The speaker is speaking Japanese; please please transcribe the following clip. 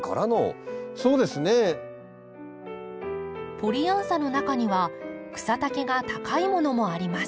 ポリアンサの中には草丈が高いものもあります。